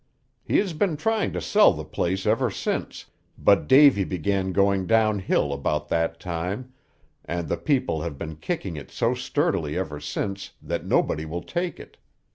He has been trying to sell the place ever since, but Davy began going down hill about that time, and the people have been kicking it so sturdily ever since that nobody will take it.